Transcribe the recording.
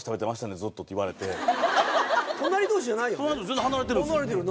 全然離れてるんすよ。